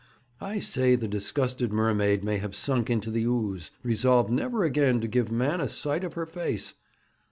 I say the disgusted mermaid may have sunk into the ooze, resolved never again to give man a sight of her face.